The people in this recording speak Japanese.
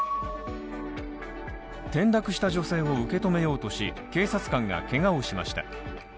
転落した女性を受け止めようとし警察官がけがをしました。